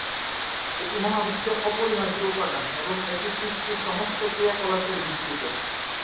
এটি মহাবিশ্বের অপরিহার্য উপাদান, এবং এটি সৃষ্টির সমস্ত ক্রিয়াকলাপের ভিত্তিতে।